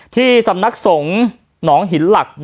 ที่สำนักสงฆ์หนองหินหลัก